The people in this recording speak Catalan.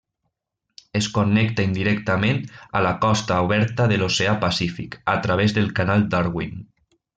Es connecta indirectament a la costa oberta de l'Oceà Pacífic, a través del canal Darwin.